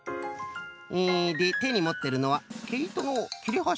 でてにもってるのはけいとのきれはし？